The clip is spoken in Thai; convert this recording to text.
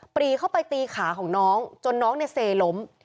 รีเข้าไปตีขาของน้องจนน้องเนี่ยเซล้ม